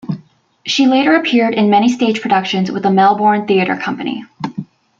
She later appeared in many stage productions with the Melbourne Theatre Company.